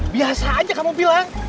biasa aja kamu bilang